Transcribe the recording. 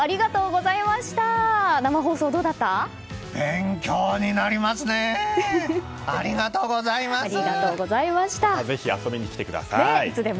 ぜひまた遊びに来てください。